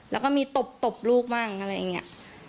แล้วก็มีตบลูกมั่งอะไรอย่างนี้